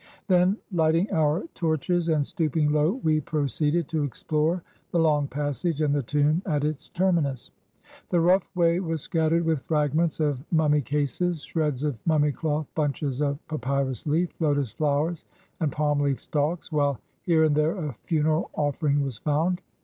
Then hghting our torches and stooping low, we pro ceeded to explore the long passage and the tomb at its terminus. The rough way was scattered with fragments of mummy cases, shreds of mimimy cloth, bimches of papyrus leaf, lotus flowers, and palm leaf stalks, while here and there a funeral offering was found.